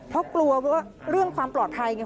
เพราะกลัวว่าเรื่องความปลอดภัยไง